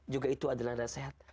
juga itu adalah nasehat